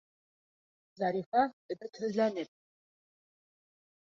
Зарифа, өмөтһөҙләнеп: